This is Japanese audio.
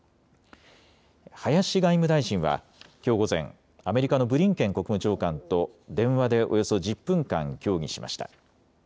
林外務大臣はきょう午前、アメリカのブリンケン国務長官と電話でおよそ１０分間、協議しました。